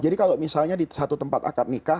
jadi kalau misalnya di satu tempat akad nikah